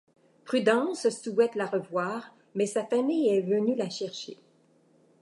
Prudence souhaite la revoir, mais sa famille est venue la chercher.